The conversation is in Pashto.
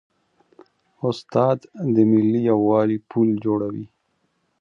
استاد د ملي یووالي پل جوړوي.